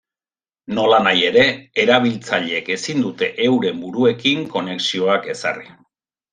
Nolanahi ere, erabiltzaileek ezin dute euren buruekin konexioak ezarri.